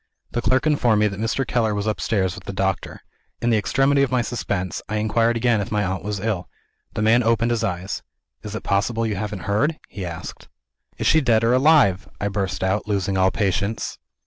The clerk informed me that Mr. Keller was upstairs with the doctor. In the extremity of my suspense, I inquired again if my aunt was ill. The man opened his eyes. "Is it possible you haven't heard?" he said. "Is she dead or alive?" I burst out, losing all patience.